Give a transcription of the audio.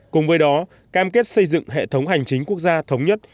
cùng với đó cam kết xây dựng hệ thống hành chính quốc gia thống nhất